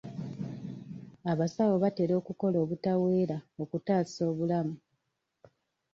Abasawo batera okukola butaweera okutaasa obulamu.